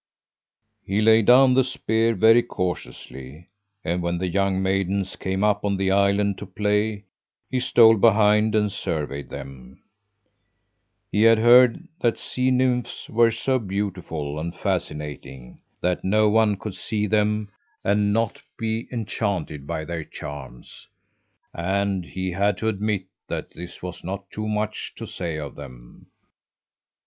"He laid down the spear very cautiously, and when the young maidens came up on the island to play, he stole behind and surveyed them. He had heard that sea nymphs were so beautiful and fascinating that no one could see them and not be enchanted by their charms; and he had to admit that this was not too much to say of them.